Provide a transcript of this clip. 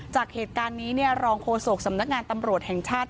จากเหตุการณ์นี้รองโฆษกสำนักงานตำรวจแห่งชาติ